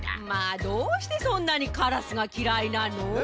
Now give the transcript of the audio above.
まあどうしてそんなにカラスがきらいなの？